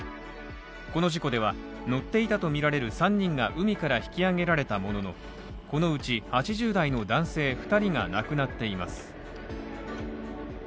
この事故では、乗っていたとみられる３人が海から引き揚げられたものの、このうち８０代の男性２人が亡くなっています。